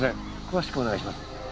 詳しくお願いします。